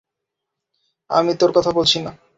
আমি তোর কথা বলছি না।